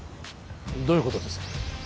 どういうことです？